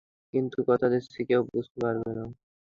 কিন্তু কথা দিচ্ছি, কেউ কিছু বুঝতে পারবে না।